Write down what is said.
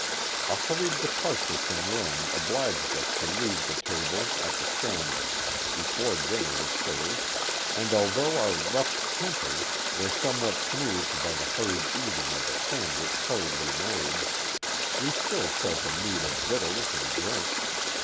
A hurried departure from Rome obliged us to leave the table at the Stanvvix before dinner was served, and although our ruffled tempers were somewhat Oriskany 443 smoothed by the hurried eating of a sandwich hurriedly made, we still felt the need of victuals and drink.